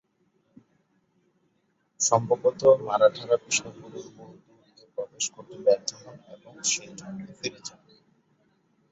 সম্ভবত, মারাঠারা বিষ্ণুপুরের মূল দুর্গে প্রবেশ করতে ব্যর্থ হন এবং সেই জন্যই ফিরে যান।